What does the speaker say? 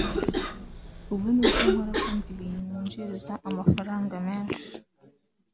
ubu nibyo nkora kandi binyinjiriza amafaranga menshi